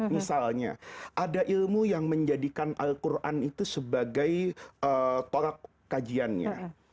misalnya ada ilmu yang menjadikan al quran itu sebagai tolak kajiannya